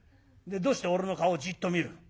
どうして俺の顔じっと見る？